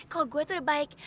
kalo gue tuh udah baik